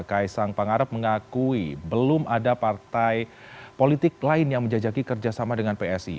kaisang pangarep mengakui belum ada partai politik lain yang menjajaki kerjasama dengan psi